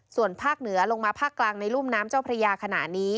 ส่วนภาคเหนือลงมาภาคกลางในรุ่มน้ำเจ้าพระยาขณะนี้